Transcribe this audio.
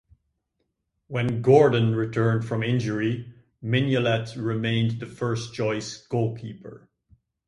When Gordon returned from injury, Mignolet remained the first choice goalkeeper.